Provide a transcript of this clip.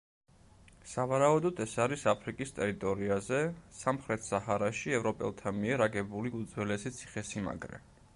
სავარაუდოდ, ეს არის აფრიკის ტერიტორიაზე, სამხრეთ საჰარაში ევროპელთა მიერ აგებული უძველესი ციხესიმაგრე.